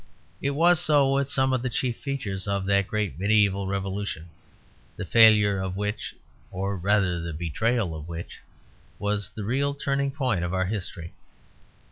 It was so with some of the chief features of that great mediæval revolution the failure of which, or rather the betrayal of which, was the real turning point of our history.